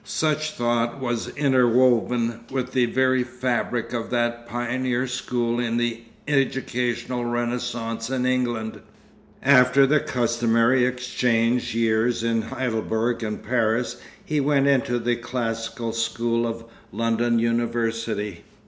Such thought was interwoven with the very fabric of that pioneer school in the educational renascence in England. After the customary exchange years in Heidelberg and Paris, he went into the classical school of London University.